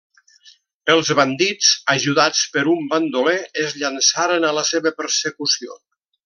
Els bandits, ajudats per un bandoler, es llançaran a la seva persecució.